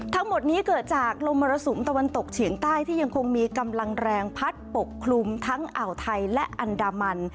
ทั้งหมดนี้เกิดจากลมมรสุมตะวันตกเฉียงใต้ที่ยังคงมีกำลังแรงพัดปกคลุมทั้งอ่าวไทยและอันดามัน